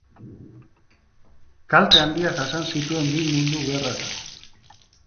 Kalte handiak jasan zituen bi mundu gerretan.